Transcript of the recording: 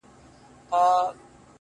• چي په اغزیو د جنون دي نازولی یمه,